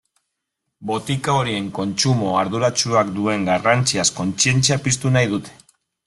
Botika horien kontsumo arduratsuak duen garrantziaz kontzientzia piztu nahi dute.